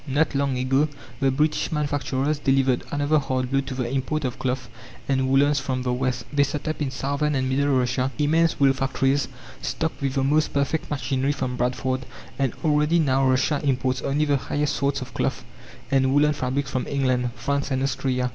Not long ago the British manufacturers delivered another hard blow to the import of cloth and woolens from the West. They set up in southern and middle Russia immense wool factories, stocked with the most perfect machinery from Bradford, and already now Russia imports only the highest sorts of cloth and woolen fabrics from England, France and Austria.